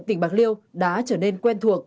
tỉnh bạc liêu đã trở nên quen thuộc